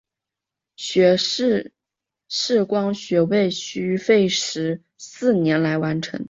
学士视光学位需费时四年来完成。